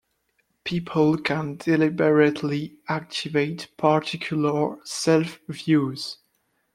People can deliberately activate particular self-views.